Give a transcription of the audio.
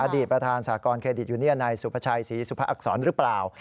ประธานสากรเครดิตยูเนียนายสุภาชัยศรีสุภาอักษรหรือเปล่า